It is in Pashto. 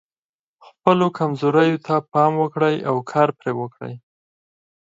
خپلو کمزوریو ته پام وکړئ او کار پرې وکړئ.